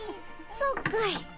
そうかい。